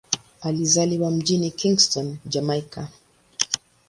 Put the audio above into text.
Alizaliwa mjini Kingston, Jamaika.